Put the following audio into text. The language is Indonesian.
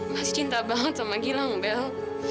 masih cinta banget sama gilang bel